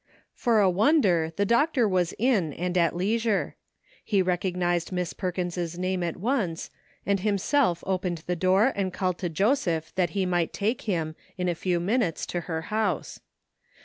, FOR a wonder the doctor was in, and at leisure. He recognized Miss Perkins' name at once, and himself opened the door and called to Joseph that he might take him, in a few minutes, to her house.